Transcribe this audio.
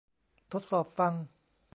ทดสอบฟัง